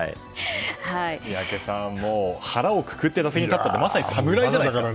宮家さん、腹をくくって打席に立ったって、まさに侍じゃないですか。